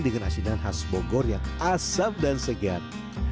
dengan asinan khas bogor yang asap dan segar